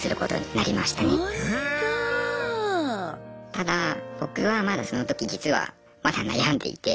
ただ僕はまだその時実はまだ悩んでいて。